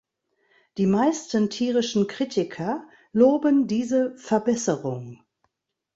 Die meisten tierischen Kritiker loben diese „Verbesserung“.